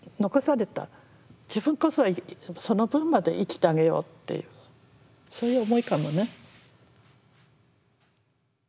自分こそはその分まで生きてあげようっていうそういう思いかもね。